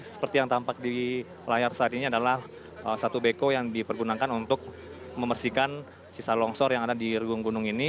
seperti yang tampak di layar saat ini adalah satu beko yang dipergunakan untuk membersihkan sisa longsor yang ada di regung gunung ini